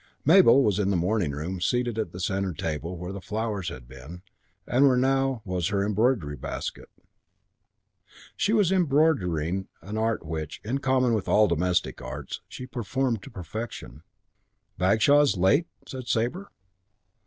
Mabel was in the morning room, seated at the centre table where the flowers had been and where now was her embroidery basket. She was embroidering, an art which, in common with all the domestic arts, she performed to perfection. "Bagshaw's late?" said Sabre.